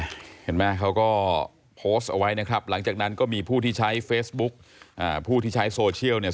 เห็นไหมเขาก็โพสต์เอาไว้นะครับหลังจากนั้นก็มีผู้ที่ใช้เฟซบุ๊กอ่าผู้ที่ใช้โซเชียลเนี่ย